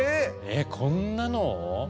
えっこんなのを？